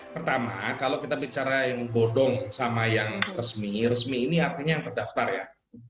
pertama kalau kita bicara yang bodong sama yang resmi resmi ini artinya yang terdaftar ya